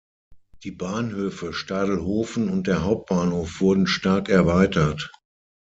Die Bahnhöfe Stadelhofen und der Hauptbahnhof wurden stark erweitert.